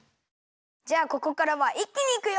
じゃあここからはいっきにいくよ！